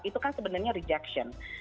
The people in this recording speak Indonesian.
itu kan sebenarnya rejection